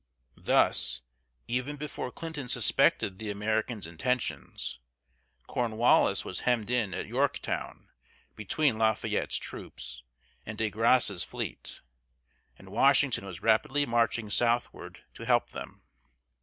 Thus, even before Clinton suspected the Americans' intentions, Cornwallis was hemmed in at Yorktown between Lafayette's troops and De Grasse's fleet, and Washington was rapidly marching southward to help them.